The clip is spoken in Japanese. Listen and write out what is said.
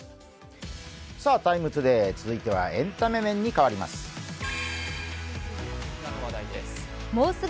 「ＴＩＭＥ，ＴＯＤＡＹ」続いてはエンタメ面に変わります。